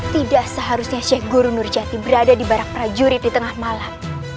tidak seharusnya chef guru nurjati berada di barak prajurit di tengah malam